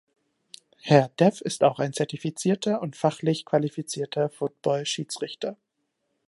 Herr Dev ist auch ein zertifizierter und fachlich qualifizierter Football-Schiedsrichter.